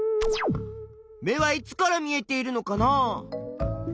目はいつから見えているのかな？